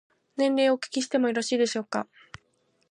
年齢をお聞きしてもよろしいでしょうか。